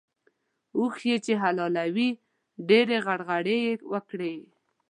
اوښ چې يې حلالوی؛ ډېرې غرغړې يې وکړې.